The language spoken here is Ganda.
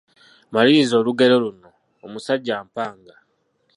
Maliriza olugero luno: Omusajja mpanga, …..